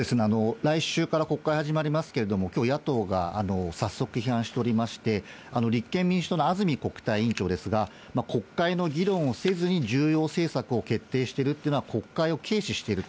来週から国会始まりますけれども、きょう、野党が早速批判しておりまして、立憲民主党の安住国対委員長ですが、国会の議論をせずに、重要政策を決定してるっていうのは、国会を軽視していると。